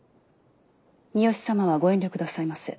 三好様はご遠慮くださいませ。